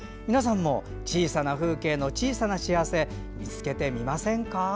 皆さんも小さな風景の小さな幸せ見つけてみませんか？